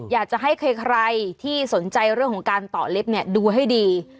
อยากจะให้ใครที่สนใจเรื่องของการต่อเล็บเนี่ยดูให้ดี